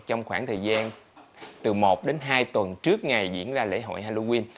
trong khoảng thời gian từ một đến hai tuần trước ngày diễn ra lễ hội halloween